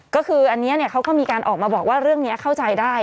ก็คืออันนี้เขาก็มีการออกมาบอกว่าเรื่องนี้เข้าใจได้